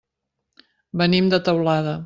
Venim de Teulada.